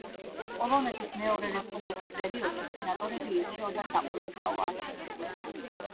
პოლონეთის მეორე რესპუბლიკის პერიოდში, სენატორები ირჩეოდა საყოველთაო არჩევნებით.